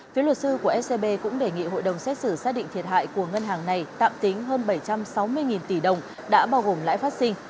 phía luật sư của scb cũng đề nghị hội đồng xét xử xác định thiệt hại của ngân hàng này tạm tính hơn bảy trăm sáu mươi tỷ đồng đã bao gồm lãi phát sinh